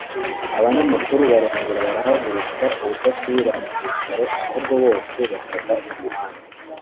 abanyamakuru barongera barahaguruka ubudasubira mu byicaro ahubwo bose bafata umuhanda